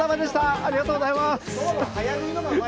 ありがとうございます！